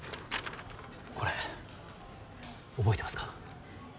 これ覚えてますか？